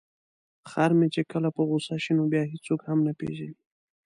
خر مې چې کله په غوسه شي نو بیا هیڅوک هم نه پيژني.